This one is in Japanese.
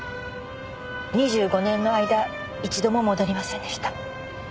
２５年の間一度も戻りませんでした。